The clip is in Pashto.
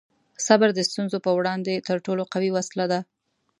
صبر د ستونزو په وړاندې تر ټولو قوي وسله ده.